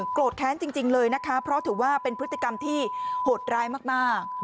โกรธแค้นจริงเลยนะคะเพราะถือว่าเป็นพฤติกรรมที่โหดร้ายมาก